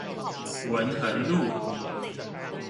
文橫路